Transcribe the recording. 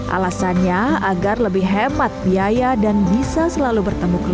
alasannya agar lebih hemat biaya dan bisa selalu bertemu keluarga